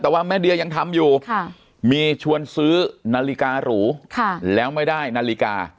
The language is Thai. แต่ว่าแม่เดียยังทำอยู่มีชวนซื้อนาฬิการูแล้วไม่ได้นาฬิกา